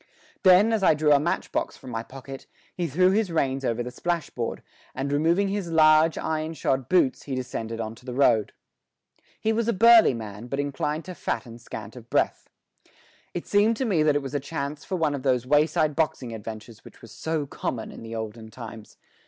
Then, as I drew a matchbox from my pocket, he threw his reins over the splashboard, and removing his large, iron shod boots he descended on to the road. He was a burly man, but inclined to fat and scant of breath. It seemed to me that it was a chance for one of those wayside boxing adventures which were so common in the olden times.